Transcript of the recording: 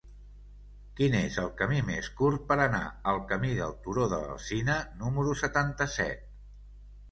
Quin és el camí més curt per anar al camí del Turó de l'Alzina número setanta-set?